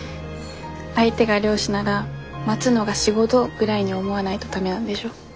相手が漁師なら待つのが仕事ぐらいに思わないと駄目なんでしょ？